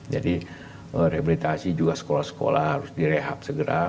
jadi rehabilitasi juga sekolah sekolah harus direhab segera